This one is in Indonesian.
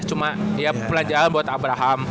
cuma pelan jalan buat abraham